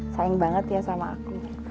sayang banget ya sama aku